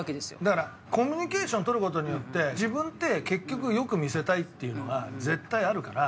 だからコミュニケーション取る事によって自分って結局良く見せたいっていうのが絶対あるから。